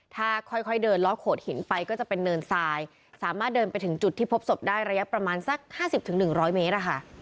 ถ้าค่อยเดินล้อโขดหินไปก็จะเป็นเนินทรายสามารถเดินไปถึงจุดที่พบศพได้ระยะประมาณสัก๕๐๑๐๐เมตร